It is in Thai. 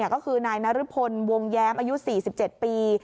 ก็คือนายนรพลวงแย้มอายุ๔๗ปี